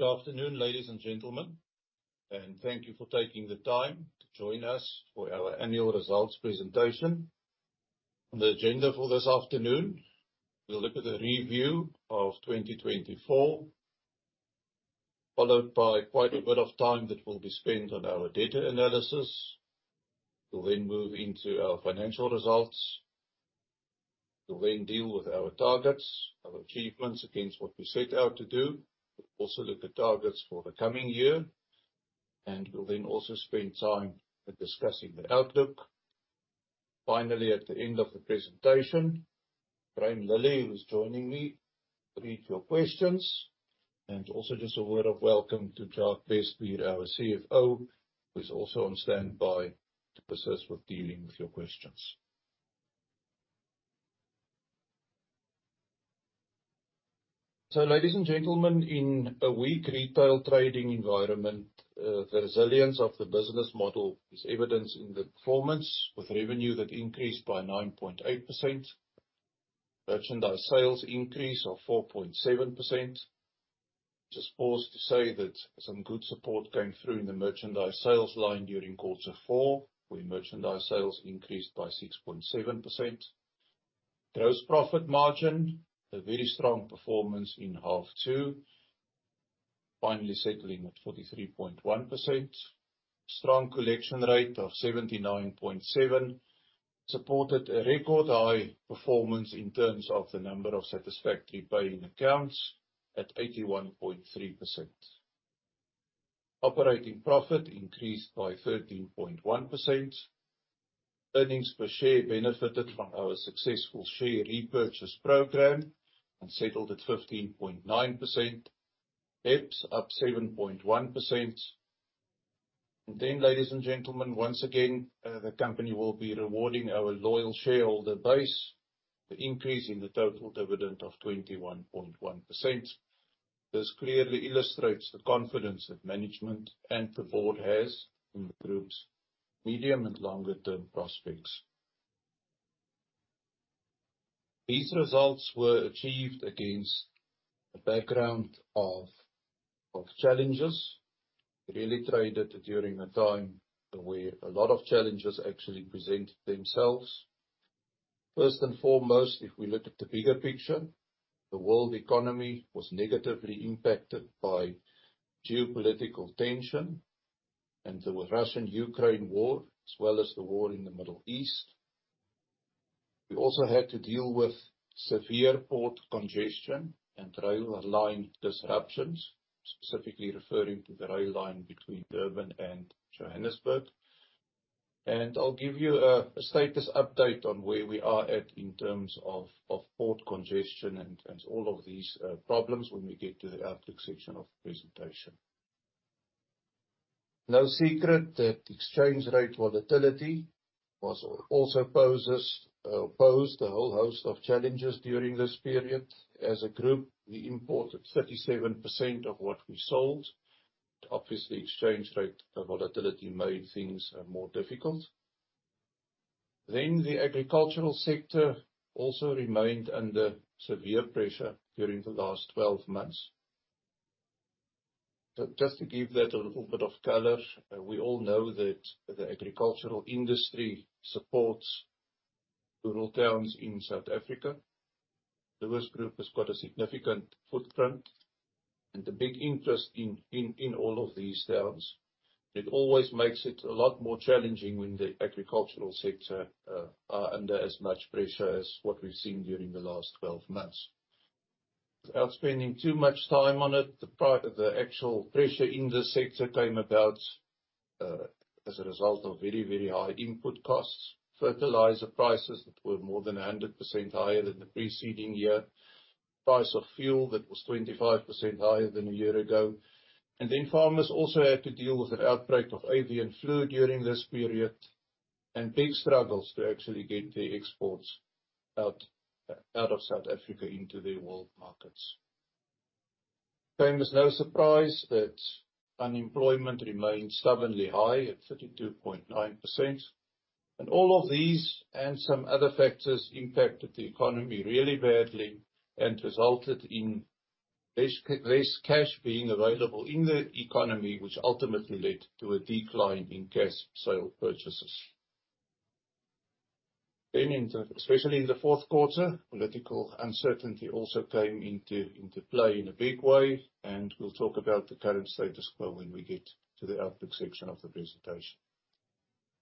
Good afternoon, ladies and gentlemen, and thank you for taking the time to join us for our annual results presentation. On the agenda for this afternoon, we'll look at the review of 2024, followed by quite a bit of time that will be spent on our data analysis. We'll then move into our financial results. We'll then deal with our targets, our achievements against what we set out to do. We'll also look at targets for the coming year, and we'll then also spend time with discussing the outlook. Finally, at the end of the presentation, Graeme Lillie, who's joining me, will read your questions. And also, just a word of welcome to Jacques Bestbier, our CFO, who is also on standby to assist with dealing with your questions. So, ladies and gentlemen, in a weak retail trading environment, the resilience of the business model is evidenced in the performance, with revenue that increased by 9.8%. Merchandise sales increase of 4.7%. Just pause to say that some good support came through in the merchandise sales line during quarter four, where merchandise sales increased by 6.7%. Gross profit margin, a very strong performance in half two, finally settling at 43.1%. Strong collection rate of 79.7% supported a record high performance in terms of the number of satisfactory paying accounts at 81.3%. Operating profit increased by 13.1%. Earnings per share benefited from our successful share repurchase program and settled at 15.9%. EPS up 7.1%. And then, ladies and gentlemen, once again, the company will be rewarding our loyal shareholder base, the increase in the total dividend of 21.1%. This clearly illustrates the confidence that management and the board has in the group's medium and longer term prospects. These results were achieved against a background of challenges. Really traded during a time where a lot of challenges actually presented themselves. First and foremost, if we look at the bigger picture, the world economy was negatively impacted by geopolitical tension and the Russia-Ukraine war, as well as the war in the Middle East. We also had to deal with severe port congestion and rail line disruptions, specifically referring to the rail line between Durban and Johannesburg. I'll give you a status update on where we are at in terms of port congestion and all of these problems when we get to the outlook section of the presentation. No secret that exchange rate volatility was... also poses posed a whole host of challenges during this period. As a group, we imported 37% of what we sold. Obviously, exchange rate volatility made things more difficult. The agricultural sector also remained under severe pressure during the last 12 months. Just to give that a little bit of color, we all know that the agricultural industry supports rural towns in South Africa. The Lewis Group has got a significant footprint and a big interest in all of these towns. It always makes it a lot more challenging when the agricultural sector are under as much pressure as what we've seen during the last 12 months. Without spending too much time on it, the actual pressure in this sector came about as a result of very, very high input costs, fertilizer prices that were more than 100% higher than the preceding year, price of fuel that was 25% higher than a year ago. And then farmers also had to deal with an outbreak of avian flu during this period, and big struggles to actually get their exports out of South Africa into the world markets. There was no surprise that unemployment remained stubbornly high at 32.9%. All of these, and some other factors, impacted the economy really badly and resulted in less cash being available in the economy, which ultimately led to a decline in cash sale purchases. Then in the especially in the fourth quarter, political uncertainty also came into play in a big way, and we'll talk about the current status quo when we get to the outlook section of the presentation.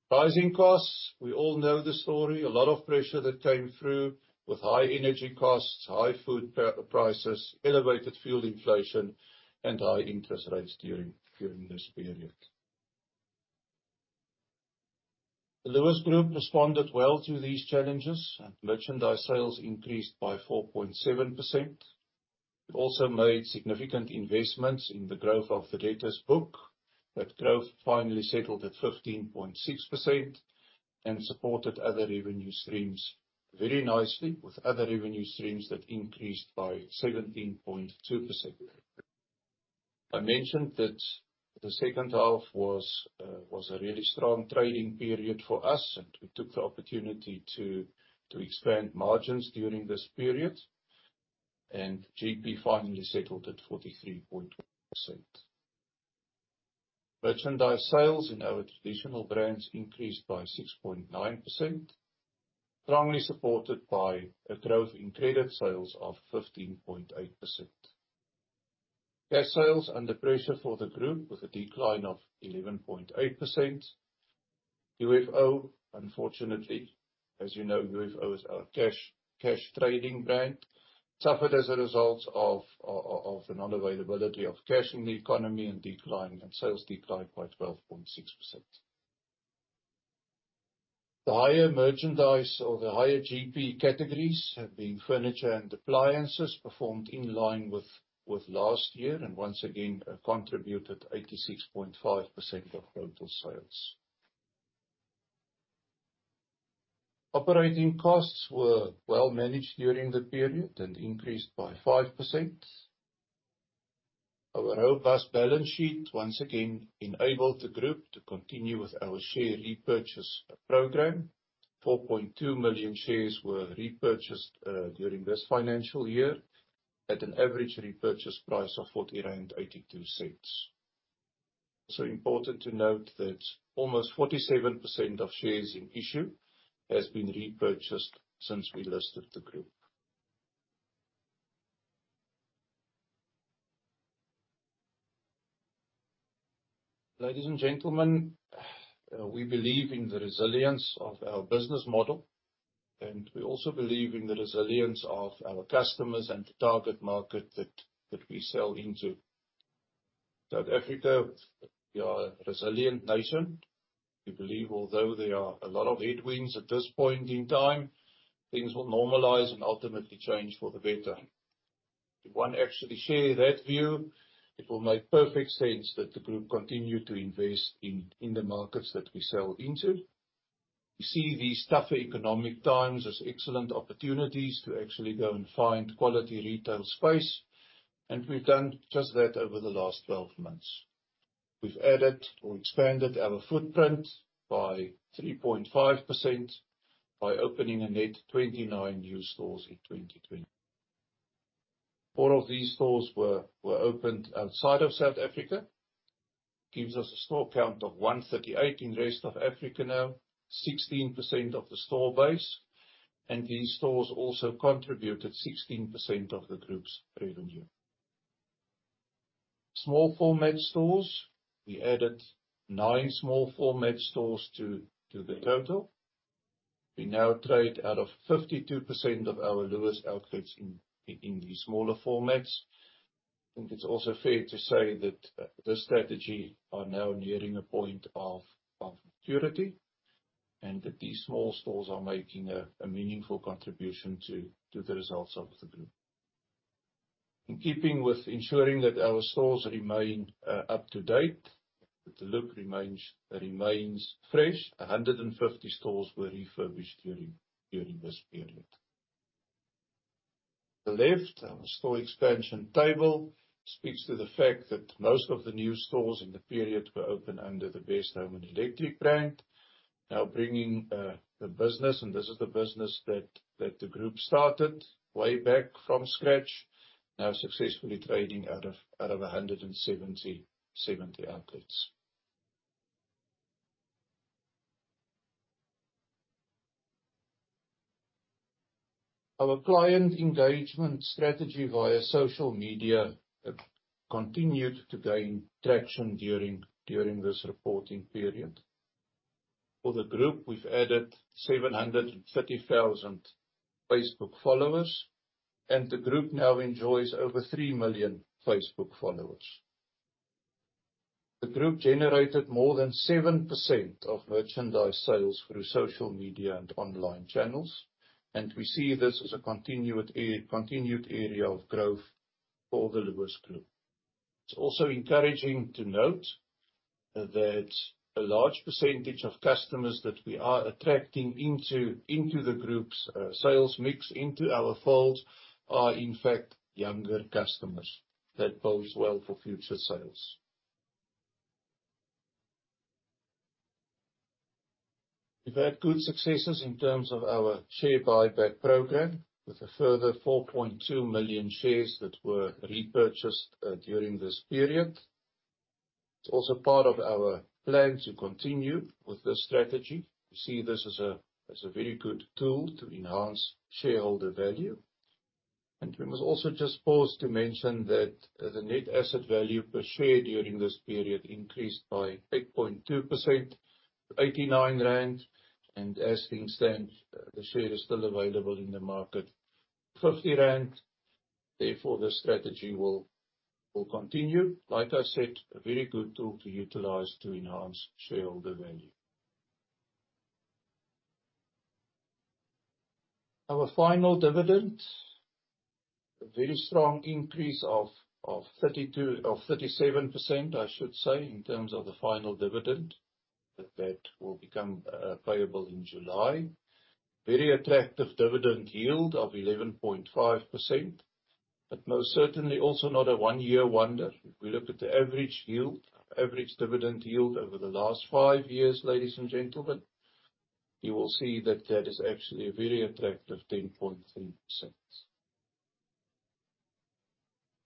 Rising costs, we all know the story. A lot of pressure that came through with high energy costs, high food prices, elevated fuel inflation, and high interest rates during this period. The Lewis Group responded well to these challenges, and merchandise sales increased by 4.7%. We also made significant investments in the growth of the debtors book. That growth finally settled at 15.6% and supported other revenue streams very nicely, with other revenue streams that increased by 17.2%. I mentioned that. The second half was a really strong trading period for us, and we took the opportunity to expand margins during this period, and GP finally settled at 43.1%. Merchandise sales in our traditional brands increased by 6.9%, strongly supported by a growth in credit sales of 15.8%. Cash sales under pressure for the group, with a decline of 11.8%. UFO, unfortunately, as you know, UFO is our cash trading brand, suffered as a result of the non-availability of cash in the economy and decline in sales declined by 12.6%. The higher merchandise or the higher GP categories, being furniture and appliances, performed in line with last year, and once again contributed 86.5% of total sales. Operating costs were well managed during the period and increased by 5%. Our robust balance sheet once again enabled the group to continue with our share repurchase program. 4.2 million shares were repurchased during this financial year at an average repurchase price of 40.82. So important to note that almost 47% of shares in issue has been repurchased since we listed the group. Ladies and gentlemen, we believe in the resilience of our business model, and we also believe in the resilience of our customers and the target market that we sell into. South Africa, we are a resilient nation. We believe although there are a lot of headwinds at this point in time, things will normalize and ultimately change for the better. If one actually share that view, it will make perfect sense that the group continue to invest in the markets that we sell into. We see these tougher economic times as excellent opportunities to actually go and find quality retail space, and we've done just that over the last 12 months. We've added or expanded our footprint by 3.5% by opening a net 29 new stores in 2020. Four of these stores were opened outside of South Africa. Gives us a store count of 138 in Rest of Africa now, 16% of the store base, and these stores also contributed 16% of the group's revenue. Small format stores, we added 9 small format stores to the total. We now trade out of 52% of our Lewis outlets in these smaller formats. I think it's also fair to say that this strategy are now nearing a point of maturity, and that these small stores are making a meaningful contribution to the results of the group. In keeping with ensuring that our stores remain up to date, that the look remains fresh, 150 stores were refurbished during this period. The left store expansion table speaks to the fact that most of the new stores in the period were opened under the Best Home & Electric brand. Now bringing the business, and this is the business that the group started way back from scratch, now successfully trading out of 170 outlets. Our client engagement strategy via social media continued to gain traction during this reporting period. For the group, we've added 730,000 Facebook followers, and the group now enjoys over 3 million Facebook followers. The group generated more than 7% of merchandise sales through social media and online channels, and we see this as a continued area of growth for the Lewis Group. It's also encouraging to note that a large percentage of customers that we are attracting into the group's sales mix, into our fold, are, in fact, younger customers. That bodes well for future sales. We've had good successes in terms of our share buyback program, with a further 4.2 million shares that were repurchased during this period. It's also part of our plan to continue with this strategy. We see this as a very good tool to enhance shareholder value. We must also just pause to mention that the net asset value per share during this period increased by 8.2%, 89 rand, and as things stand, the share is still available in the market, 50 rand. Therefore, the strategy will continue. Like I said, a very good tool to utilize to enhance shareholder value. Our final dividend, a very strong increase of 32... 37%, I should say, in terms of the final dividend... that will become payable in July. Very attractive dividend yield of 11.5%, but most certainly also not a one-year wonder. If we look at the average yield, average dividend yield over the last five years, ladies and gentlemen, you will see that that is actually a very attractive 10.3%.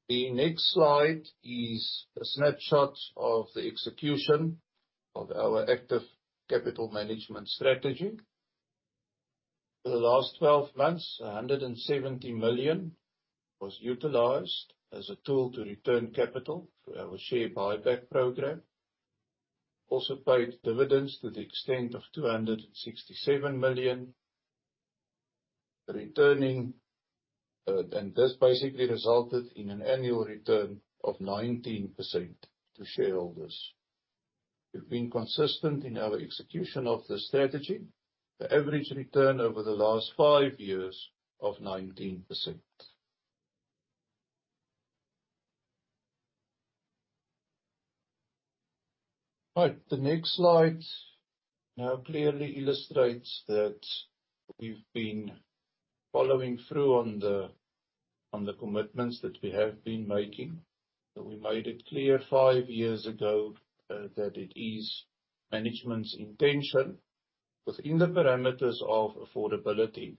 The next slide is a snapshot of the execution of our active capital management strategy. For the last 12 months, 170 million was utilized as a tool to return capital through our share buyback program. Also paid dividends to the extent of 267 million, returning, and this basically resulted in an annual return of 19% to shareholders. We've been consistent in our execution of this strategy. The average return over the last five years, of 19%. Right, the next slide now clearly illustrates that we've been following through on the commitments that we have been making. So we made it clear 5 years ago that it is management's intention, within the parameters of affordability,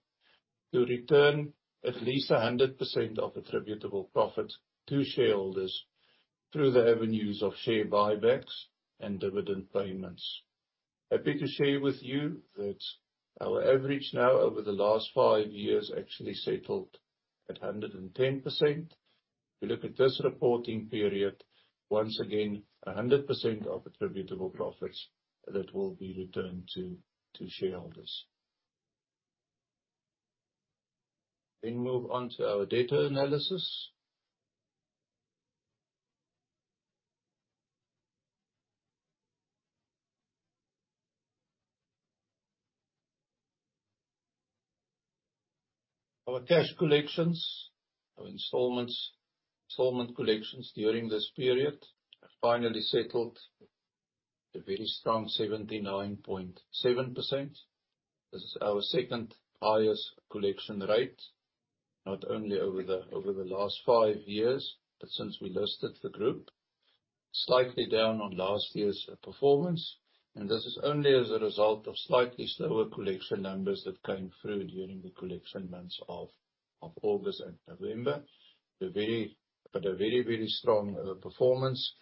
to return at least 100% of attributable profit to shareholders through the avenues of share buybacks and dividend payments. Happy to share with you that our average now, over the last 5 years, actually settled at 110%. If you look at this reporting period, once again, 100% of attributable profits that will be returned to shareholders. Then move on to our data analysis. Our cash collections, our installments, installment collections during this period have finally settled at a very strong 79.7%. This is our second highest collection rate, not only over the last 5 years, but since we listed the group. Slightly down on last year's performance, and this is only as a result of slightly slower collection numbers that came through during the collection months of August and November. But a very, very strong performance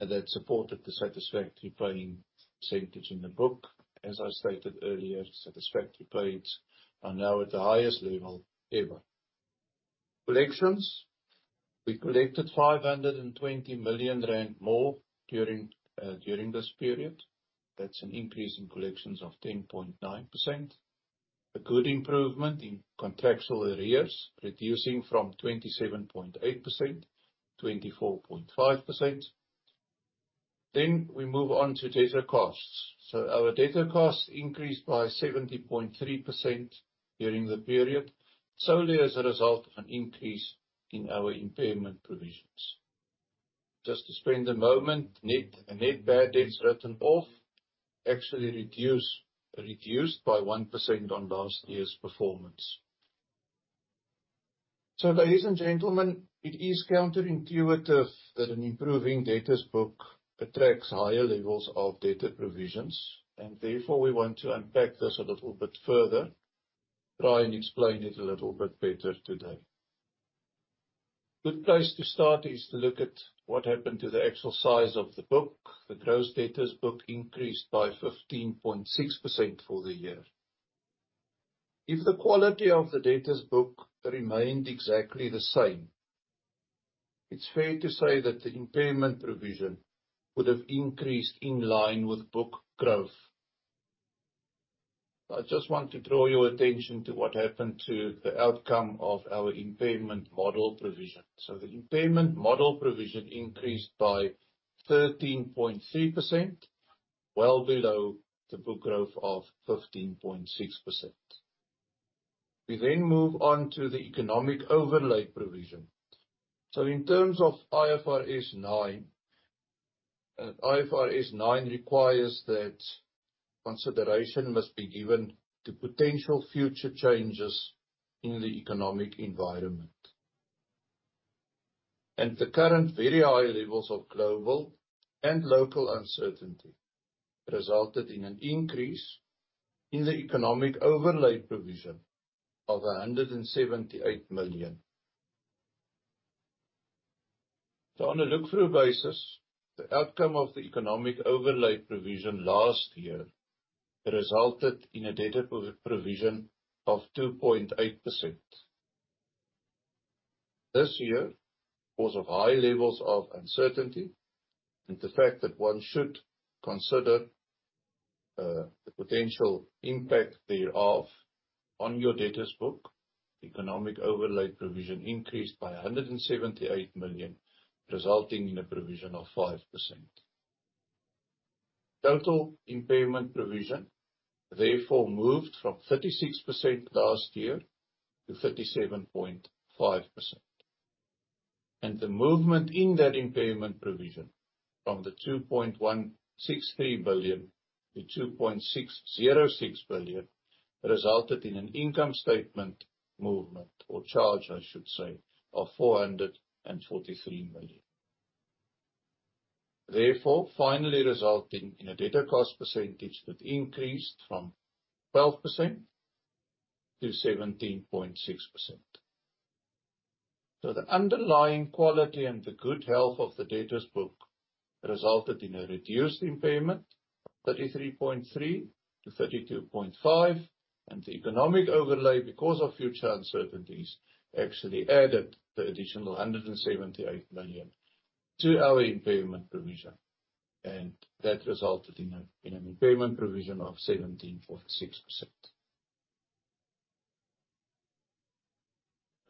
that supported the satisfactory paying percentage in the book. As I stated earlier, satisfactory paids are now at the highest level ever. Collections, we collected 520 million rand more during this period. That's an increase in collections of 10.9%. A good improvement in contractual arrears, reducing from 27.8% to 24.5%. Then we move on to debtor costs. So our debtor costs increased by 70.3% during the period, solely as a result of an increase in our impairment provisions. Just to spend a moment, net, net bad debts written off actually reduced, reduced by 1% on last year's performance. So ladies and gentlemen, it is counterintuitive that an improving debtors book attracts higher levels of debtor provisions, and therefore, we want to unpack this a little bit further, try and explain it a little bit better today. Good place to start is to look at what happened to the actual size of the book. The gross debtors book increased by 15.6% for the year. If the quality of the debtors book remained exactly the same, it's fair to say that the impairment provision would have increased in line with book growth. I just want to draw your attention to what happened to the outcome of our impairment model provision. So the impairment model provision increased by 13.3%, well below the book growth of 15.6%. We then move on to the economic overlay provision. So in terms of IFRS 9, IFRS 9 requires that consideration must be given to potential future changes in the economic environment. And the current very high levels of global and local uncertainty resulted in an increase in the economic overlay provision of ZAR 178 million. So on a look-through basis, the outcome of the economic overlay provision last year resulted in a debtor provision of 2.8%. This year, because of high levels of uncertainty and the fact that one should consider, the potential impact thereof on your debtors book, economic overlay provision increased by 178 million, resulting in a provision of 5%. Total impairment provision, therefore, moved from 36% last year to 37.5%... and the movement in that impairment provision from the 2.163 billion-2.606 billion, resulted in an income statement movement, or charge, I should say, of 443 million. Therefore, finally resulting in a debtor cost percentage that increased from 12% to 17.6%. So the underlying quality and the good health of the debtors book resulted in a reduced impairment, 33.3-32.5, and the economic overlay, because of future uncertainties, actually added the additional 178 million to our impairment provision, and that resulted in an impairment provision of 17.6%.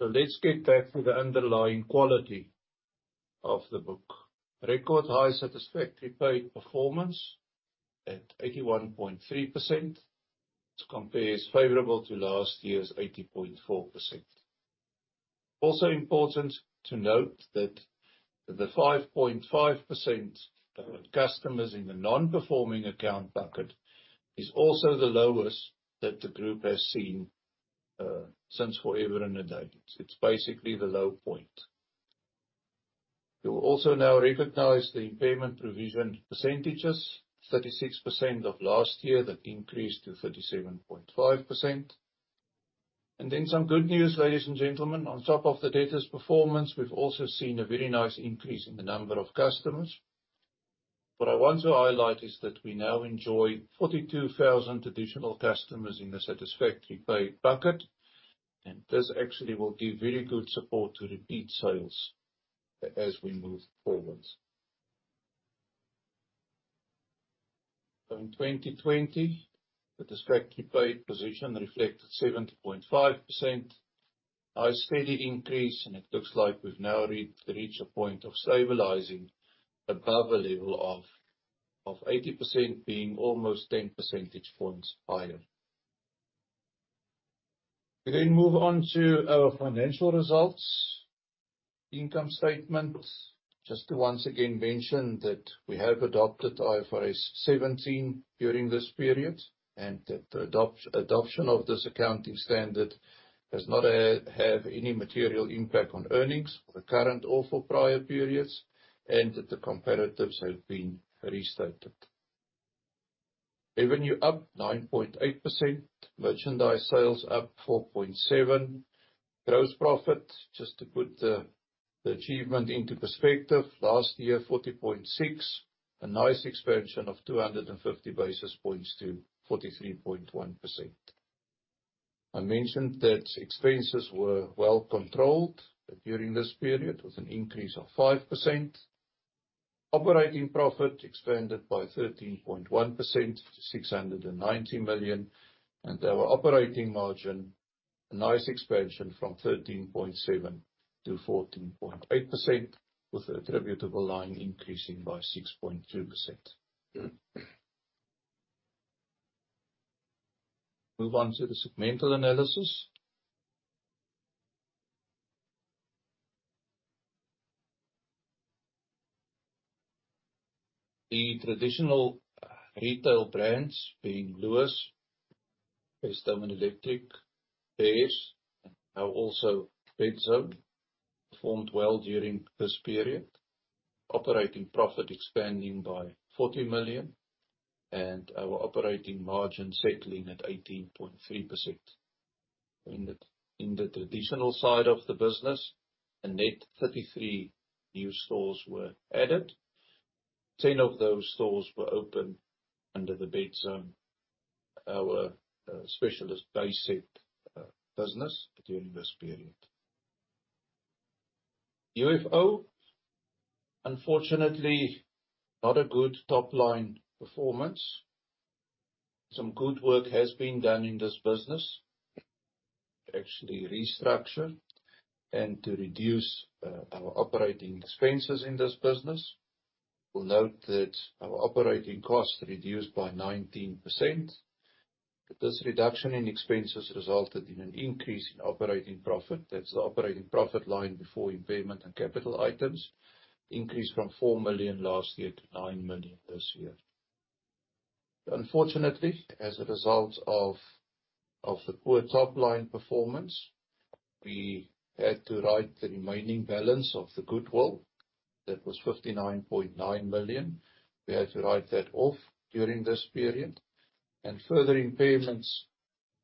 So let's get back to the underlying quality of the book. Record high satisfactory paid performance at 81.3%, which compares favorable to last year's 80.4%. Also important to note that the 5.5% of customers in the non-performing account bucket is also the lowest that the group has seen since forever and a day. It's basically the low point. You will also now recognize the impairment provision percentages, 36% of last year, that increased to 37.5%. And then some good news, ladies and gentlemen, on top of the debtors performance, we've also seen a very nice increase in the number of customers. What I want to highlight is that we now enjoy 42,000 additional customers in the satisfactory paid bucket, and this actually will give very good support to repeat sales as we move forward. So in 2020, the satisfactory paid position reflected 70.5%. Now a steady increase, and it looks like we've now reached a point of stabilizing above a level of 80%, being almost ten percentage points higher. We then move on to our financial results. Income statements, just to once again mention that we have adopted IFRS 17 during this period, and that the adoption of this accounting standard does not have any material impact on earnings for the current or for prior periods, and that the comparatives have been restated. Revenue up 9.8%. Merchandise sales up 4.7%. Gross profit, just to put the achievement into perspective, last year, 40.6%, a nice expansion of 250 basis points to 43.1%. I mentioned that expenses were well controlled during this period, with an increase of 5%. Operating profit expanded by 13.1% to 690 million, and our operating margin, a nice expansion from 13.7%-14.8%, with the attributable line increasing by 6.2%. Move on to the segmental analysis. The traditional retail brands, being Lewis, Best Home & Electric, Beares, and now also Bedzone, performed well during this period. Operating profit expanding by 40 million, and our operating margin settling at 18.3%. In the traditional side of the business, a net 33 new stores were added. 10 of those stores were opened under the Bedzone, our bedding specialist business during this period. UFO, unfortunately, not a good top-line performance. Some good work has been done in this business, to actually restructure and to reduce our operating expenses in this business. We'll note that our operating costs reduced by 19%. This reduction in expenses resulted in an increase in operating profit. That's the operating profit line before impairment and capital items, increased from 4 million last year to 9 million this year. Unfortunately, as a result of the poor top-line performance, we had to write the remaining balance of the goodwill. That was 59.9 million. We had to write that off during this period, and further impairments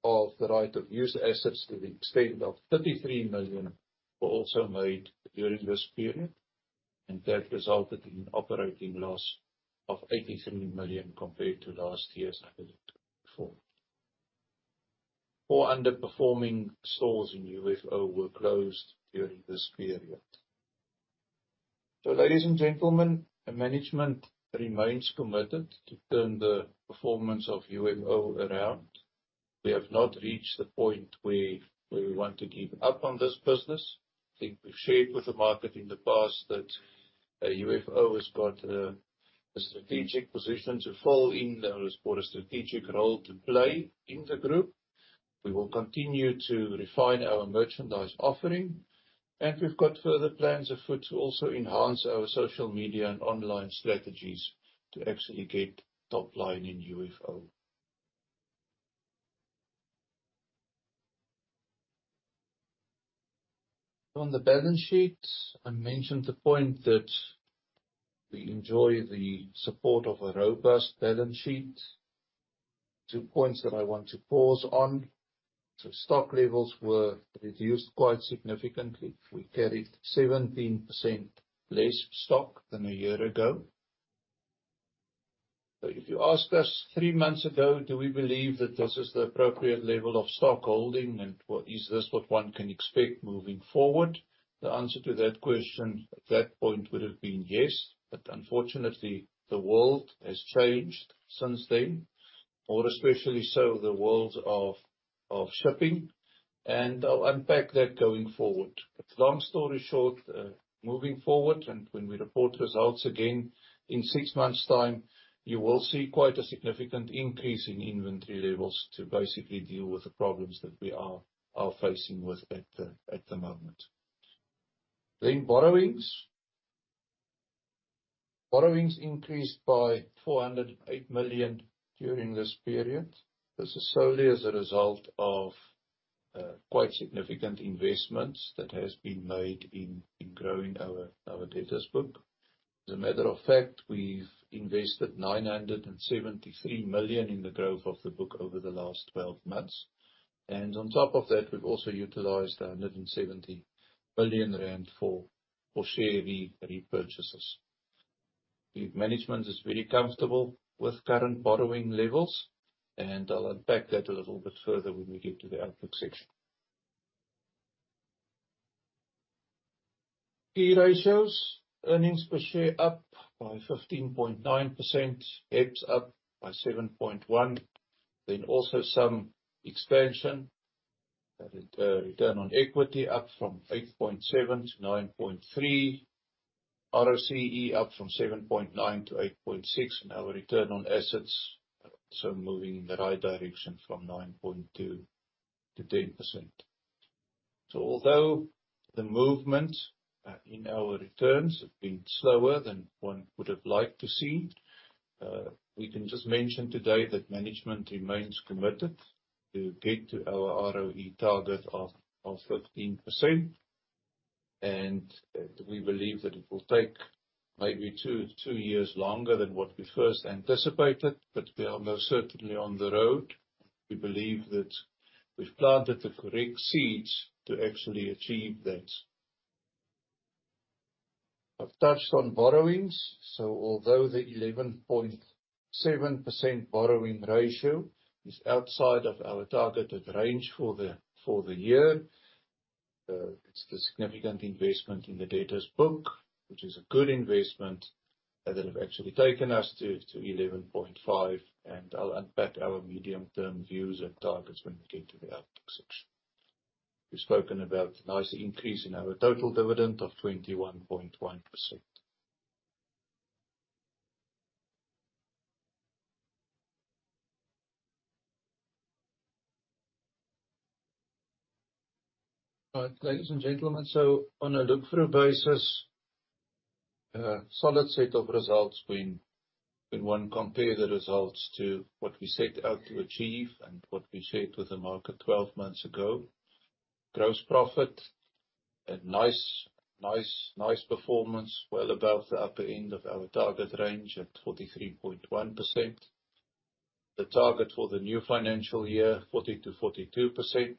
of the right-of-use assets to the extent of 33 million were also made during this period, and that resulted in operating loss of 83 million compared to last year's 104 million. Four underperforming stores in UFO were closed during this period. So, ladies and gentlemen, the management remains committed to turn the performance of UFO around. We have not reached the point where we want to give up on this business. I think we've shared with the market in the past that UFO has got a strategic position to fill in. It's got a strategic role to play in the group. We will continue to refine our merchandise offering, and we've got further plans afoot to also enhance our social media and online strategies to actually get top line in UFO. On the balance sheet, I mentioned the point that we enjoy the support of a robust balance sheet. Two points that I want to pause on. So stock levels were reduced quite significantly. We carried 17% less stock than a year ago. So if you asked us three months ago, do we believe that this is the appropriate level of stock holding, and well, is this what one can expect moving forward? The answer to that question at that point would have been yes, but unfortunately, the world has changed since then, or especially so the world of shipping, and I'll unpack that going forward. But long story short, moving forward, and when we report results again in six months' time, you will see quite a significant increase in inventory levels to basically deal with the problems that we are facing with at the moment. Then borrowings. Borrowings increased by 408 million during this period. This is solely as a result of quite significant investments that has been made in growing our debtors book. As a matter of fact, we've invested 973 million in the growth of the book over the last twelve months, and on top of that, we've also utilized 170 million rand for share repurchases. The management is very comfortable with current borrowing levels, and I'll unpack that a little bit further when we get to the outlook section. Key ratios, earnings per share up by 15.9%, EPS up by 7.1, then also some expansion, return on equity up from 8.7 to 9.3. ROCE up from 7.9 to 8.6, and our return on assets also moving in the right direction from 9.2%-10%. So although the movement in our returns have been slower than one would have liked to see, we can just mention today that management remains committed to get to our ROE target of 13%, and we believe that it will take maybe two years longer than what we first anticipated, but we are most certainly on the road. We believe that we've planted the correct seeds to actually achieve that. I've touched on borrowings, so although the 11.7% borrowing ratio is outside of our targeted range for the year, it's the significant investment in the debtors book, which is a good investment, that have actually taken us to 11.5, and I'll unpack our medium-term views and targets when we get to the outlook section. We've spoken about a nice increase in our total dividend of 21.1%. All right, ladies and gentlemen, so on a look-through basis, a solid set of results when, when one compare the results to what we set out to achieve and what we said to the market 12 months ago. Gross profit, a nice, nice, nice performance, well above the upper end of our target range at 43.1%. The target for the new financial year, 40%-42%.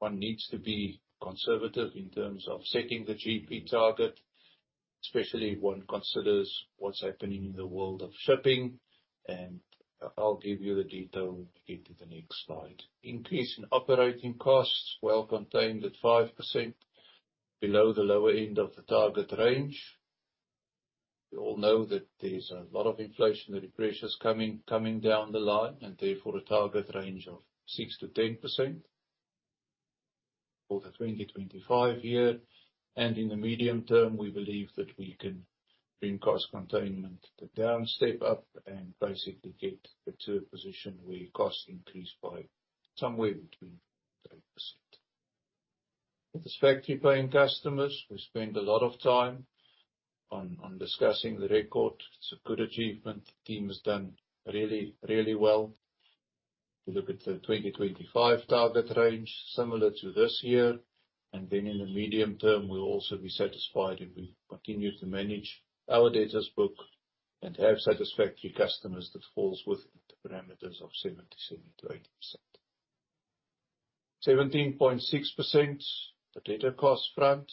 One needs to be conservative in terms of setting the GP target, especially when considers what's happening in the world of shipping, and I'll give you the detail into the next slide. Increase in operating costs, well contained at 5% below the lower end of the target range. We all know that there is a lot of inflationary pressures coming, coming down the line, and therefore, a target range of 6%-10% for the 2025 year. In the medium term, we believe that we can bring cost containment the down step up and basically get it to a position where costs increase by somewhere between 3%. The satisfactory paying customers, we spend a lot of time on, on discussing the record. It's a good achievement. The team has done really, really well. If you look at the 2025 target range, similar to this year, and then in the medium term, we'll also be satisfied if we continue to manage our debtors book and have satisfactory customers that falls within the parameters of 77%-80%. 17.6%, the debtor cost front,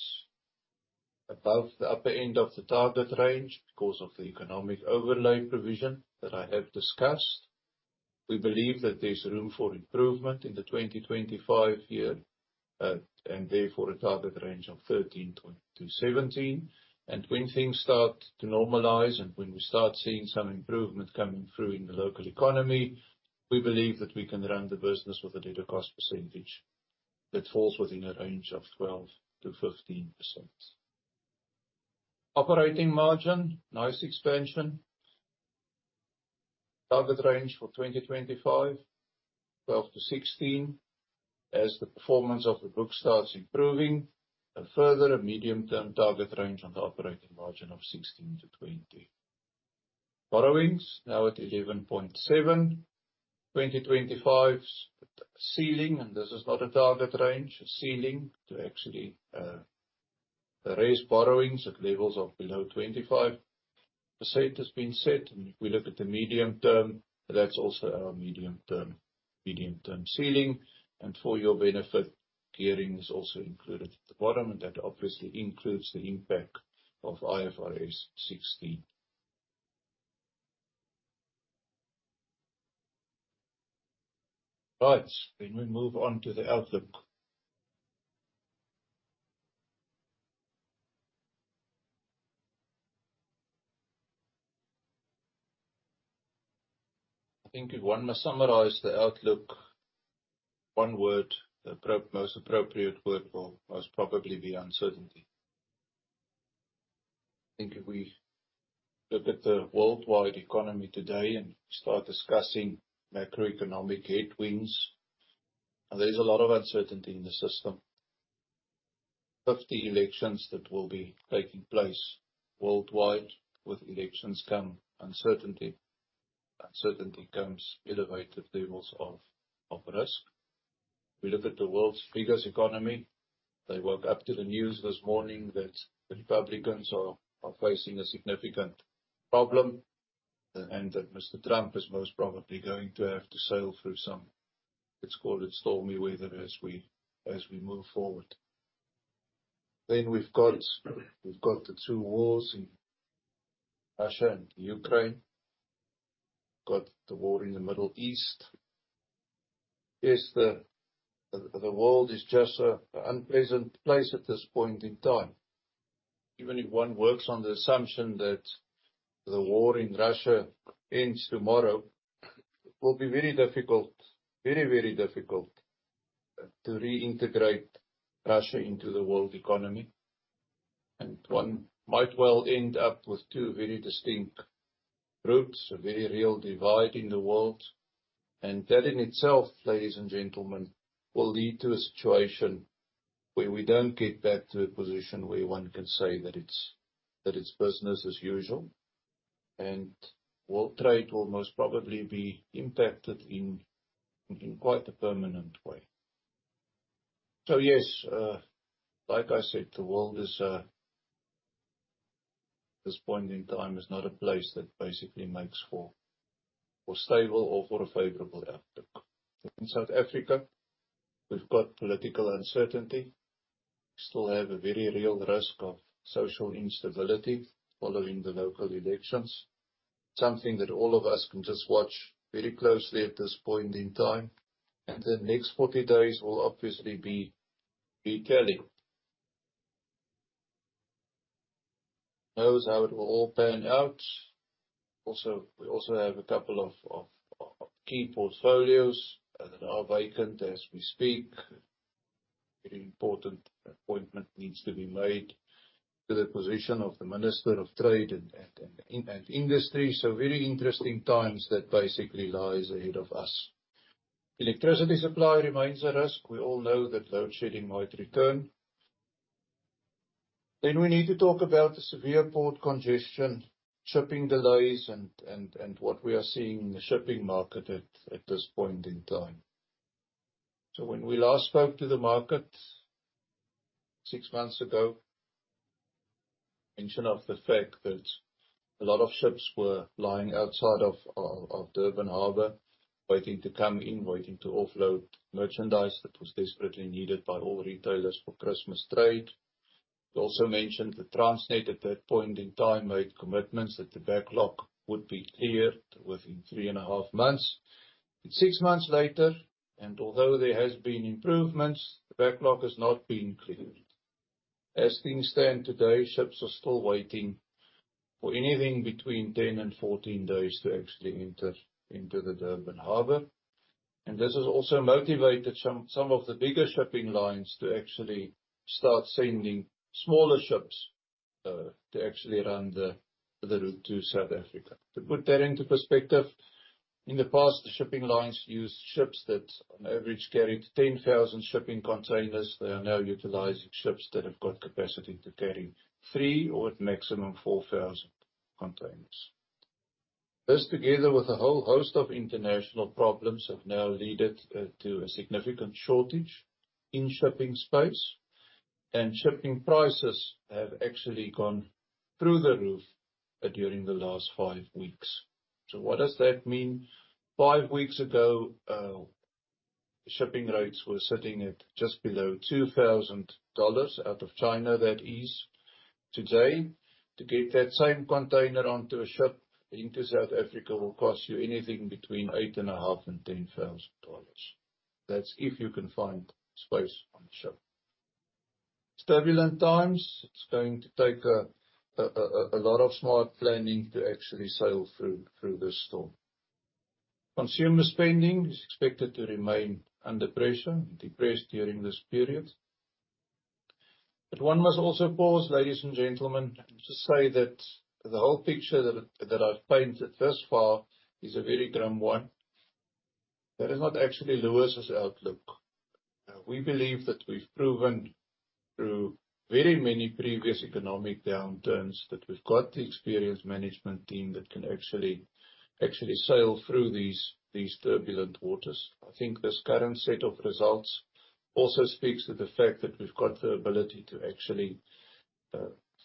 above the upper end of the target range because of the economic overlay provision that I have discussed. We believe that there's room for improvement in the 2025 year, and therefore a target range of 13%-17%, and when things start to normalize and when we start seeing some improvement coming through in the local economy, we believe that we can run the business with a debtor cost percentage that falls within a range of 12%-15%. Operating margin, nice expansion. Target range for 2025, 12%-16%, as the performance of the book starts improving. A further medium-term target range on the operating margin of 16%-20%. Borrowings, now at 11.7% 2025's ceiling, and this is not a target range, a ceiling, to actually raise borrowings at levels of below 25% has been set. And if we look at the medium term, that's also our medium-term, medium-term ceiling. And for your benefit, gearing is also included at the bottom, and that obviously includes the impact of IFRS 16. Right, let me move on to the outlook. I think if one must summarize the outlook, one word, the most appropriate word will most probably be uncertainty. I think if we look at the worldwide economy today and start discussing macroeconomic headwinds, there's a lot of uncertainty in the system. 50 elections that will be taking place worldwide. With elections come uncertainty. Uncertainty comes elevated levels of risk. We look at the world's biggest economy. They woke up to the news this morning that the Republicans are facing a significant problem, and that Mr. Trump is most probably going to have to sail through some, let's call it, stormy weather as we move forward. Then we've got the two wars in Russia and Ukraine, got the war in the Middle East. Yes, the world is just an unpleasant place at this point in time. Even if one works on the assumption that the war in Russia ends tomorrow, it will be very difficult, very, very difficult, to reintegrate Russia into the world economy. And one might well end up with two very distinct groups, a very real divide in the world. That, in itself, ladies and gentlemen, will lead to a situation where we don't get back to a position where one can say that it's, that it's business as usual, and world trade will most probably be impacted in, in quite a permanent way. So, yes, like I said, the world is... This point in time is not a place that basically makes for, for stable or for a favorable outlook. In South Africa, we've got political uncertainty. We still have a very real risk of social instability following the local elections, something that all of us can just watch very closely at this point in time, and the next 40 days will obviously be telling. Who knows how it will all pan out? Also, we also have a couple of key portfolios that are vacant as we speak. A very important appointment needs to be made to the position of the Minister of Trade and Industry, so very interesting times that basically lies ahead of us. Electricity supply remains at risk. We all know that load shedding might return. Then we need to talk about the severe port congestion, shipping delays, and what we are seeing in the shipping market at this point in time. So when we last spoke to the market six months ago, mention of the fact that a lot of ships were lying outside of Durban Harbour, waiting to come in, waiting to offload merchandise that was desperately needed by all retailers for Christmas trade. We also mentioned that Transnet, at that point in time, made commitments that the backlog would be cleared within three and a half months. But six months later, and although there has been improvements, the backlog has not been cleared. As things stand today, ships are still waiting for anything between 10-14 days to actually enter into the Durban Harbour. And this has also motivated some, some of the bigger shipping lines to actually start sending smaller ships, to actually run the route to South Africa. To put that into perspective, in the past, the shipping lines used ships that on average carried 10,000 shipping containers. They are now utilizing ships that have got capacity to carry 3 or at maximum 4,000 containers. This, together with a whole host of international problems, have now led to a significant shortage in shipping space, and shipping prices have actually gone through the roof during the last 5 weeks. So what does that mean? Five weeks ago, shipping rates were sitting at just below $2,000, out of China that is. Today, to get that same container onto a ship into South Africa will cost you anything between $8,500 and $10,000. That's if you can find space on the ship. Turbulent times. It's going to take a lot of smart planning to actually sail through this storm. Consumer spending is expected to remain under pressure, depressed during this period. But one must also pause, ladies and gentlemen, to say that the whole picture that I've painted thus far is a very grim one. That is not actually Lewis's outlook. We believe that we've proven through very many previous economic downturns that we've got the experienced management team that can actually sail through these turbulent waters. I think this current set of results also speaks to the fact that we've got the ability to actually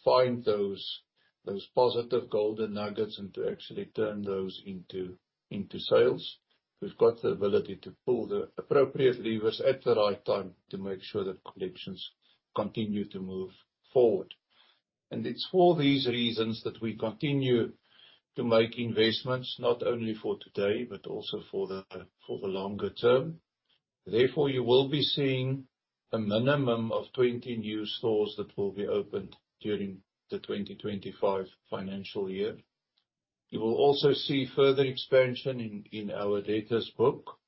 find those positive golden nuggets, and to actually turn those into sales. We've got the ability to pull the appropriate levers at the right time to make sure that collections continue to move forward. It's for these reasons that we continue to make investments, not only for today, but also for the longer term. Therefore, you will be seeing a minimum of 20 new stores that will be opened during the 2025 financial year. You will also see further expansion in our debtors book.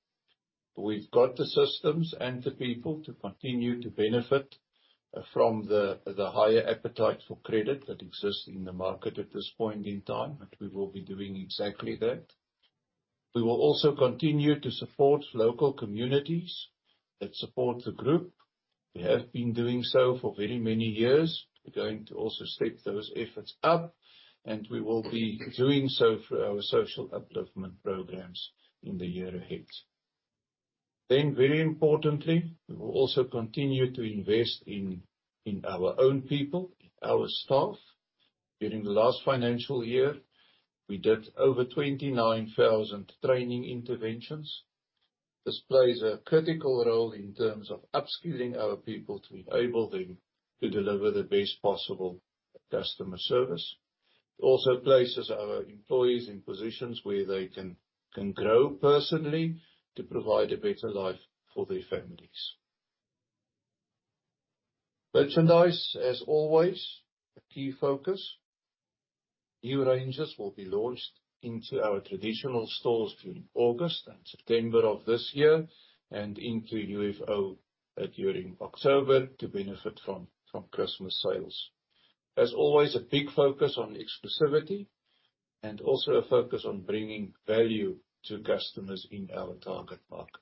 We've got the systems and the people to continue to benefit from the higher appetite for credit that exists in the market at this point in time, and we will be doing exactly that. We will also continue to support local communities that support the group. We have been doing so for very many years. We're going to also step those efforts up, and we will be doing so through our social upliftment programs in the year ahead. Then, very importantly, we will also continue to invest in our own people, our staff. During the last financial year, we did over 29,000 training interventions. This plays a critical role in terms of upskilling our people to enable them to deliver the best possible customer service. It also places our employees in positions where they can grow personally to provide a better life for their families. Merchandise, as always, a key focus. New ranges will be launched into our traditional stores during August and September of this year, and into UFO during October to benefit from Christmas sales. As always, a big focus on exclusivity and also a focus on bringing value to customers in our target market.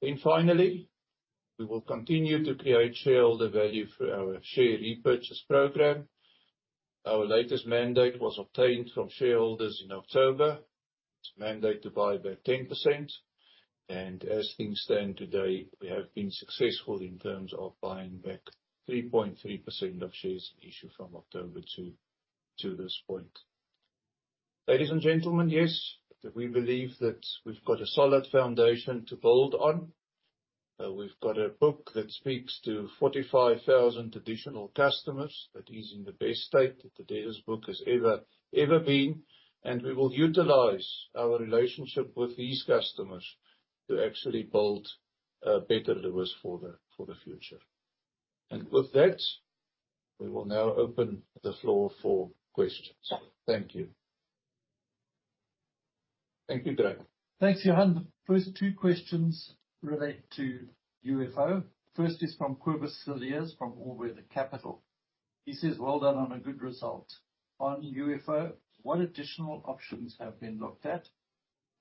Then finally, we will continue to create shareholder value through our share repurchase program. Our latest mandate was obtained from shareholders in October. It's a mandate to buy back 10%, and as things stand today, we have been successful in terms of buying back 3.3% of shares issued from October to this point. Ladies and gentlemen, yes, we believe that we've got a solid foundation to build on. We've got a book that speaks to 45,000 traditional customers that is in the best state that the debtors book has ever been. And we will utilize our relationship with these customers to actually build a better Lewis for the future. And with that, we will now open the floor for questions. Thank you. Thank you, Graeme. Thanks, Johan. First two questions relate to UFO. First is from Cobus Cilliers from All Weather Capital. He says, "Well done on a good result. On UFO, what additional options have been looked at?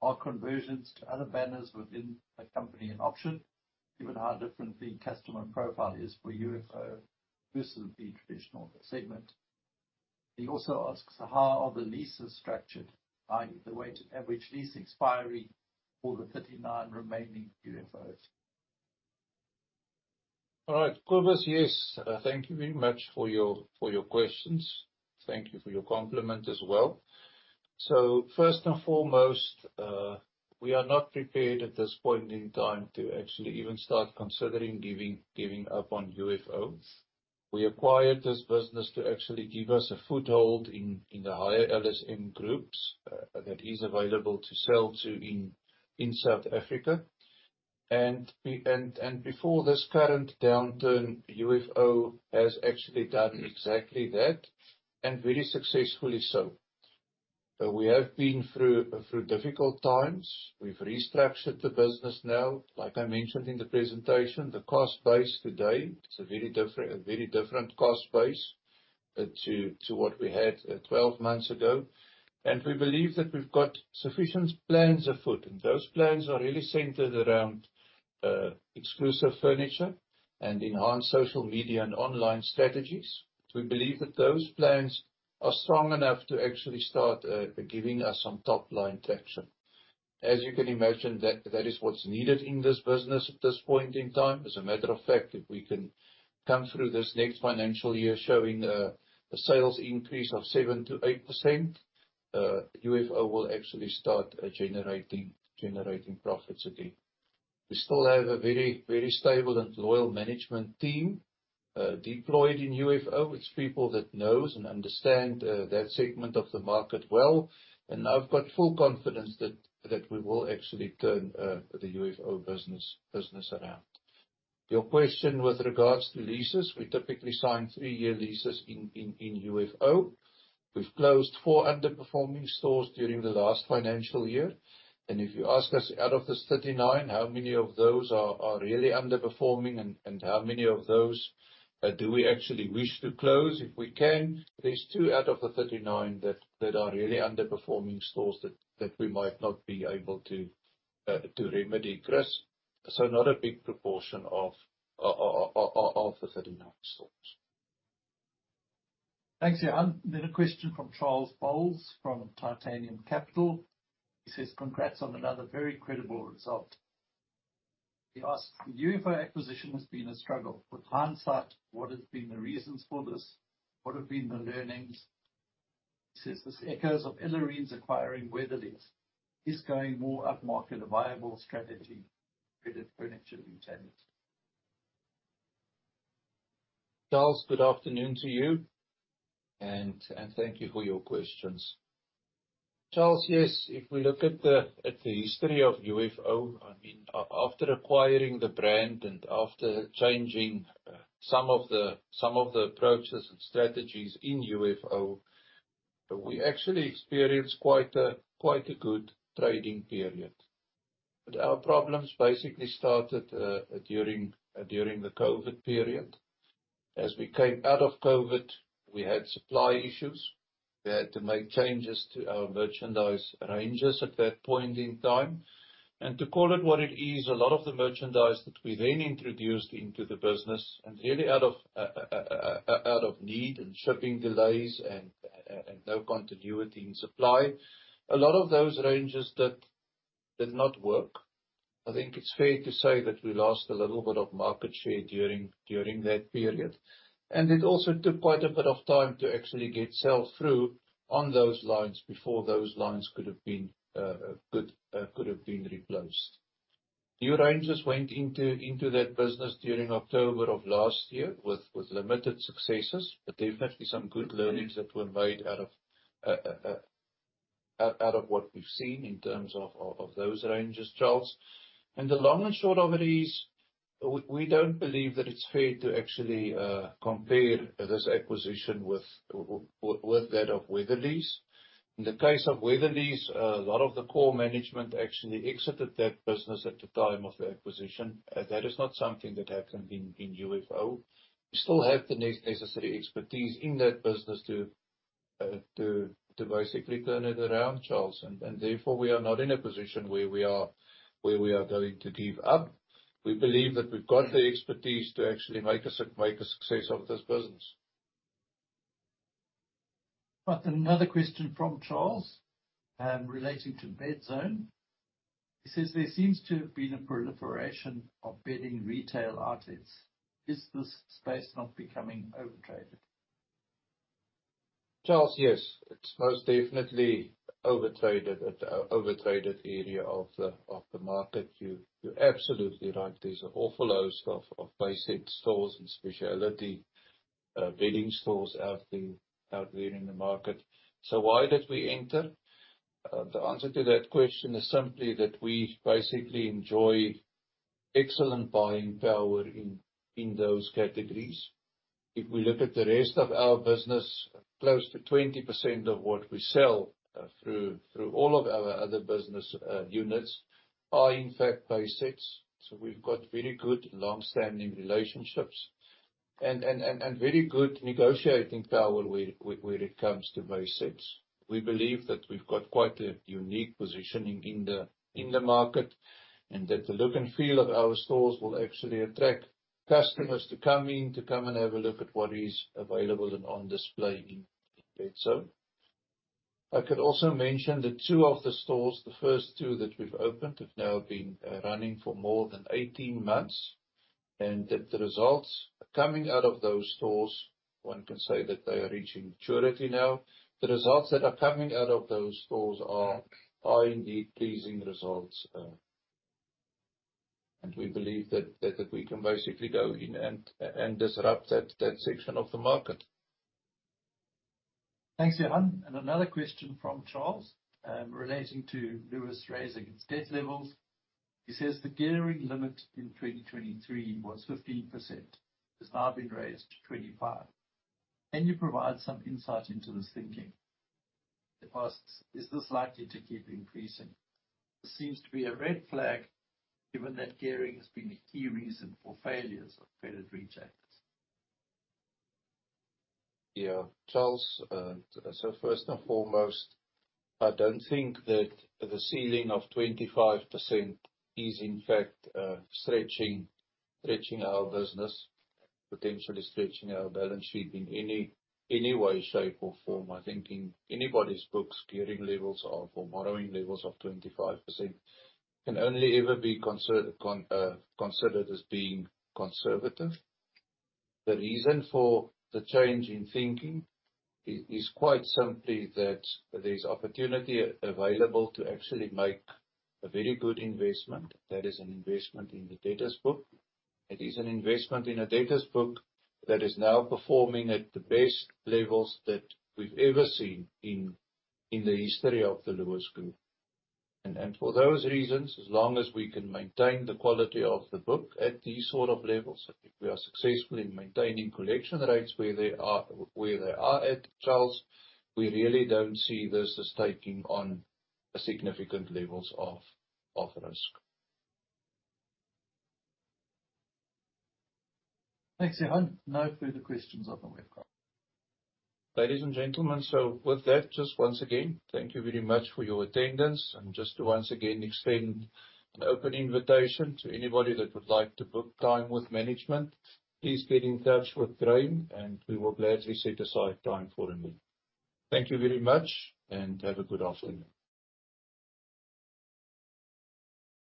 Are conversions to other banners within the company an option, given how different the customer profile is for UFO versus the traditional segment?" He also asks, "How are the leases structured, i.e., the weighted average lease expiry for the 39 remaining UFOs? All right, Cobus, yes. Thank you very much for your questions. Thank you for your compliment as well. So first and foremost, we are not prepared at this point in time to actually even start considering giving up on UFO. We acquired this business to actually give us a foothold in the higher LSM groups that is available to sell to in South Africa. And before this current downturn, UFO has actually done exactly that, and very successfully so. We have been through difficult times. We've restructured the business now. Like I mentioned in the presentation, the cost base today, it's a very different cost base to what we had 12 months ago. And we believe that we've got sufficient plans afoot, and those plans are really centered around exclusive furniture and enhanced social media and online strategies. We believe that those plans are strong enough to actually start giving us some top line traction. As you can imagine, that is what's needed in this business at this point in time. As a matter of fact, if we can come through this next financial year showing a sales increase of 7%-8%, UFO will actually start generating profits again. We still have a very, very stable and loyal management team deployed in UFO. It's people that knows and understand that segment of the market well, and I've got full confidence that we will actually turn the UFO business around. Your question with regards to leases, we typically sign three-year leases in UFO. We've closed 4 underperforming stores during the last financial year, and if you ask us, out of the 39, how many of those are really underperforming and how many of those do we actually wish to close if we can? There's 2 out of the 39 that are really underperforming stores that we might not be able to remedy, Chris. So not a big proportion of the 39 stores. Thanks, Johan. Then a question from Charles Boles from Titanium Capital. He says, "Congrats on another very credible result." He asks, "The UFO acquisition has been a struggle. With hindsight, what has been the reasons for this? What have been the learnings?" He says, "This echoes of Ellerines acquiring Wetherlys. Is going more upmarket a viable strategy for Furniture Retailers? Charles, good afternoon to you, and thank you for your questions. Charles, yes, if we look at the history of UFO, I mean, after acquiring the brand and after changing some of the approaches and strategies in UFO, we actually experienced quite a good trading period. But our problems basically started during the COVID period. As we came out of COVID, we had supply issues. We had to make changes to our merchandise ranges at that point in time. And to call it what it is, a lot of the merchandise that we then introduced into the business, and really out of need and shipping delays and no continuity in supply, a lot of those ranges that did not work. I think it's fair to say that we lost a little bit of market share during that period. It also took quite a bit of time to actually get sell through on those lines before those lines could have been replaced. New ranges went into that business during October of last year, with limited successes, but definitely some good learnings that were made out of what we've seen in terms of those ranges, Charles. The long and short of it is, we don't believe that it's fair to actually compare this acquisition with that of Wetherlys. In the case of Wetherlys, a lot of the core management actually exited that business at the time of the acquisition. That is not something that happened in UFO. We still have the necessary expertise in that business to basically turn it around, Charles, and therefore, we are not in a position where we are going to give up. We believe that we've got the expertise to actually make a success of this business. Got another question from Charles, relating to Bedzone. He says, "There seems to have been a proliferation of bedding retail outlets. Is this space not becoming overtraded? Charles, yes. It's most definitely overtraded at overtraded area of the market. You're absolutely right. There's an awful host of basic stores and specialty bedding stores out there in the market. So why did we enter? The answer to that question is simply that we basically enjoy excellent buying power in those categories. If we look at the rest of our business, close to 20% of what we sell through all of our other business units are, in fact, basics. So we've got very good long-standing relationships and very good negotiating power where it comes to basics. We believe that we've got quite a unique positioning in the market, and that the look and feel of our stores will actually attract customers to come in, to come and have a look at what is available and on display in Bedzone. I could also mention that 2 of the stores, the first 2 that we've opened, have now been running for more than 18 months, and that the results coming out of those stores, one can say that they are reaching maturity now. The results that are coming out of those stores are indeed pleasing results. We believe that we can basically go in and disrupt that section of the market. Thanks, Johan. Another question from Charles, relating to Lewis raising its debt levels. He says, "The gearing limit in 2023 was 15%. It's now been raised to 25%. Can you provide some insight into this thinking?" He asks, "Is this likely to keep increasing? This seems to be a red flag, given that gearing has been a key reason for failures of credit retail. Yeah, Charles, so first and foremost, I don't think that the ceiling of 25% is, in fact, stretching our business, potentially stretching our balance sheet in any way, shape, or form. I think in anybody's books, gearing levels are, or borrowing levels of 25% can only ever be considered as being conservative. The reason for the change in thinking is quite simply that there's opportunity available to actually make a very good investment, that is an investment in the debtors book. It is an investment in a debtors book that is now performing at the best levels that we've ever seen in the history of the Lewis Group. For those reasons, as long as we can maintain the quality of the book at these sort of levels, if we are successful in maintaining collection rates where they are at, Charles, we really don't see this as taking on significant levels of risk. Thanks, Johan. No further questions on the web call. Ladies and gentlemen, so with that, just once again, thank you very much for your attendance. And just to once again extend an open invitation to anybody that would like to book time with management, please get in touch with Graeme, and we will gladly set aside time for a meeting. Thank you very much, and have a good afternoon.